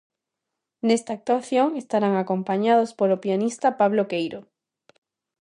Nesta actuación estarán acompañados polo pianista Pablo Queiro.